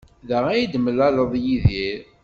Da ay d-yemlal ed Yidir.